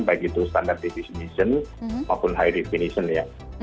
baik itu standard definition maupun high definition ya